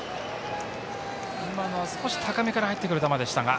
少し高めから入ってくる球でしたが。